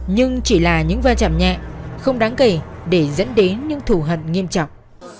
nhưng chỉ là những va chạm nhẹ không đáng kể để dẫn đến những thù hận nghiêm trọng